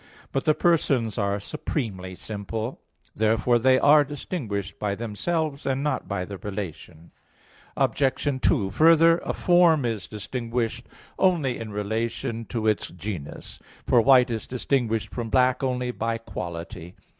But the persons are supremely simple. Therefore they are distinguished by themselves, and not by the relation. Obj. 2: Further, a form is distinguished only in relation to its genus. For white is distinguished from black only by quality.